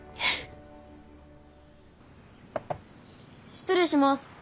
失礼します。